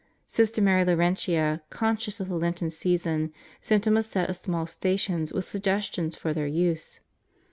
Sister Mary Laurentia, conscious of the Lenten Season, sent him a set of small stations with suggestions for their use.